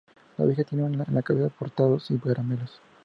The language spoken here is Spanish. La Vieja tiene en la cabeza petardos y caramelos.